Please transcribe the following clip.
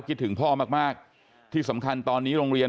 คิดถึงพ่อมากมากที่สำคัญตอนนี้โรงเรียน